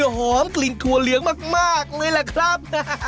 หอมกลิ่นทัวร์เลี้ยงมากนี่แหละครับ